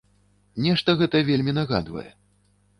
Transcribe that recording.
Нешта гэта вельмі нагадвае.